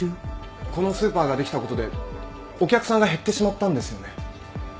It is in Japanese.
このスーパーができたことでお客さんが減ってしまったんですよね。